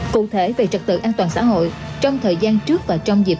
cụ thể về trật tự an toàn xã hội trong thời gian trước và trong dịp